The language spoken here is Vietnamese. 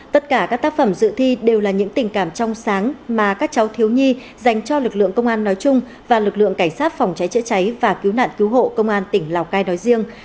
tất cả các tác phẩm dự thi đều là những tình cảm trong sáng mà các cháu thiếu nhi dành cho lực lượng công an nói chung và lực lượng cảnh sát phòng cháy chữa cháy và cứu nạn cứu hộ công an tỉnh lào cai nói riêng